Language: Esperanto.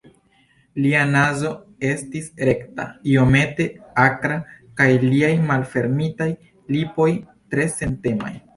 Lia nazo estis rekta, iomete akra kaj liaj malfermitaj lipoj tre sentemaj.